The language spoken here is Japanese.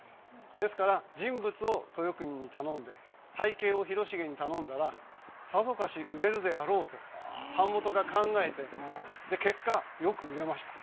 ですから人物を豊国に頼んで背景を広重に頼んだらさぞかし売れるであろうと版元が考えてで結果よく売れました。